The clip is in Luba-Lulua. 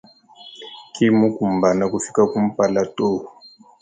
Kimukumbana kufika wakumpala to.